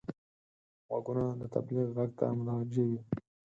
غوږونه د تبلیغ غږ ته متوجه وي